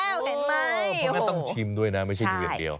เห็นไหมเพราะงั้นต้องชิมด้วยนะ